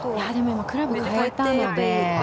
クラブを変えたので。